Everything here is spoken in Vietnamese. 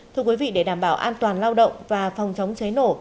thưa quý vị để đảm bảo an toàn lao động và phòng chống cháy nổ